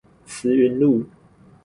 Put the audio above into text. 慈雲路